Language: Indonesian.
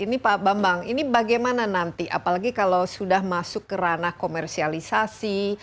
ini pak bambang ini bagaimana nanti apalagi kalau sudah masuk ke ranah komersialisasi